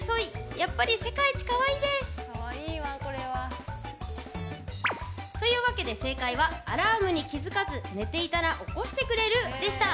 やっぱり世界一可愛いです！というわけで、正解はアラームに気づかず寝ていたら起こしてくれるでした。